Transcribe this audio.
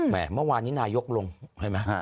แหม่เมื่อวานนี้นายกลงใช่ไหมฮะ